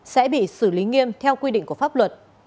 sẽ bị xử lý nghiêm theo quy định của pháp luật